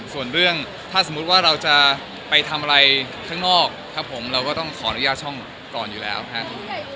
ส่วนเรื่องถ้าสมมุติว่าเราจะไปทำอะไรข้างนอกครับผมเราก็ต้องขออนุญาตช่องก่อนอยู่แล้วครับ